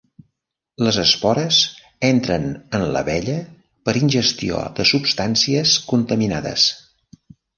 Les espores entren en l'abella per ingestió de substàncies contaminades.